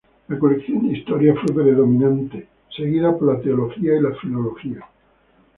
La colección de historia fue predominante, seguida por la teología y la filología.